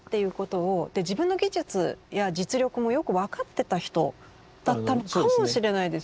で自分の技術や実力もよく分かってた人だったのかもしれないですよね。